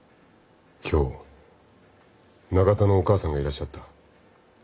今日永田のお母さんがいらっしゃった。